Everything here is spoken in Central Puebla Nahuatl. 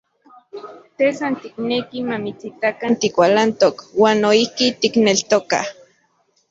Te san tikneki mamitsitakan tikualantok, uan noijki tikneltokaj.